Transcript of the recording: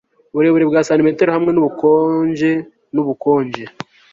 Uburebure bwa santimetero hamwe nubukonje nubukonje